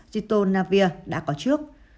zitonavir đã có trước